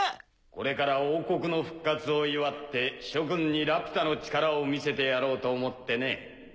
これから王国の復活を祝って諸君にラピュタの力を見せてやろうと思ってね。